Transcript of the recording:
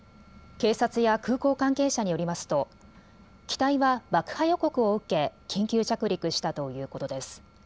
警察や空港関係者によりますと機体は爆破予告を受け緊急着陸したということです。